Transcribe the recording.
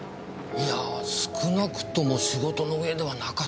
いや少なくとも仕事の上ではなかったと思いますが。